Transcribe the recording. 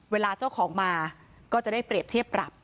เวลาเจ้าของมาก็จะได้เปรียบเทียบปรับ